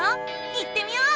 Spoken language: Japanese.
行ってみよう！